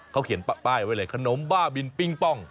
เขาเขียนป้ายไว้เลยขนมบ้าบินปิ้งป้อง